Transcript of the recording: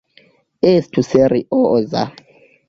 Estu serioza!